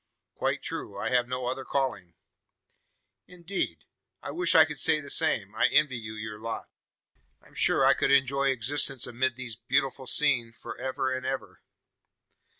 "Quite true: I have no other calling." "Indeed! I wish I could say the same. I envy you your lot. I'm sure I could enjoy existence amid these beautiful scene for ever and ever!"